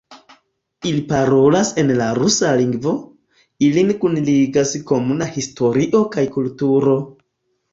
Ili parolas en la rusa lingvo, ilin kunligas komuna historio kaj kulturo.